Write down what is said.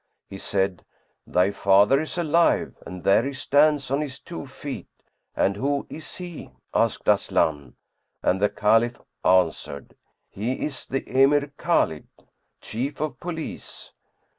He said, "Thy father is alive and there he stands on his two feet." "And who is he?" asked Aslan, and the Caliph answered, "He is the Emir Khбlid, Chief of Police."